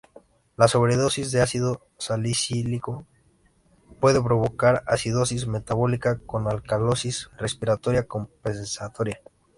La sobredosis de ácido salicílico puede provocar acidosis metabólica con alcalosis respiratoria compensatoria.